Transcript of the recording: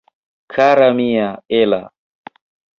Kara mia Ella!